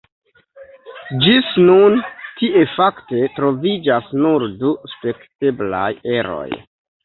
Ĝis nun tie fakte troviĝas nur du spekteblaj eroj.